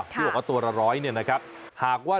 ตัวละ๑๐๐เนี่ยนะครับหากว่า